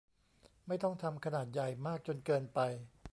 ไม่ต้องทำขนาดใหญ่มากจนเกินไป